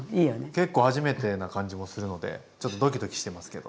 結構初めてな感じもするのでちょっとドキドキしてますけど。